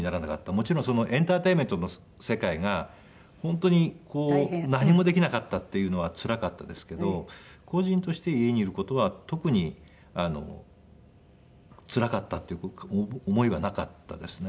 もちろんエンターテインメントの世界が本当にこう何もできなかったっていうのはつらかったですけど個人として家にいる事は特につらかったっていう思いはなかったですね。